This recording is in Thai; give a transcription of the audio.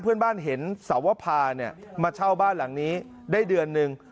เพื่อนบ้านเห็นสวภามาเช่าบ้านหลังนี้ได้เดือนหนึ่ง